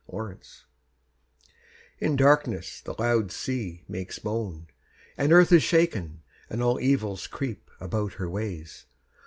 The Charm In darkness the loud sea makes moan; And earth is shaken, and all evils creep About her ways.